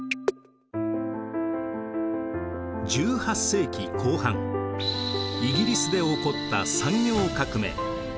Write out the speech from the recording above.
１８世紀後半イギリスで起こった産業革命。